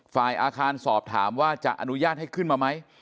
ฝ่ายอาคารสอบถามว่าจะอนุญาตให้ขึ้นมาไหม